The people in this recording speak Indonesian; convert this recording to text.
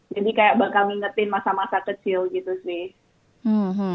jadi kayak bakal mengingetin masa masa kecil gitu sih